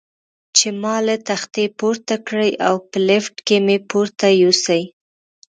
چې ما له تختې پورته کړي او په لفټ کې مې پورته یوسي.